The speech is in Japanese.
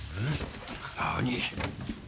何？